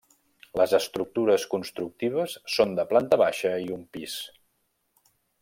Les estructures constructives són de planta baixa i un pis.